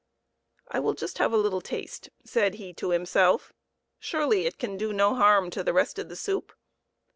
" I will just have a little taste," said he to him self; "surely it can do no harm to the rest of the soup."